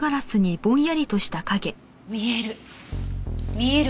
見える。